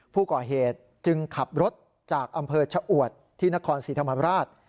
ผู้ก่อเหตุจึงขับรถจากอำเภอชะอวดที่นครศรีธรรมราช